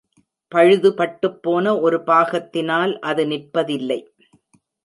பழுது பட்டுப்போன ஒரு பாகத்தினால் அது நிற்பதில்லை.